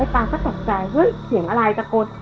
ไอ้ฟ้าก็ตกใจเฮ้ยเสียงอะไรจักรกด